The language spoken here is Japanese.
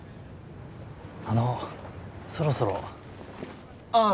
あのそろそろああ